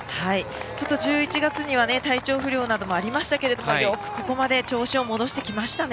ちょっと１１月には体調不良などもありましたがよくここまで調子を戻してきましたね。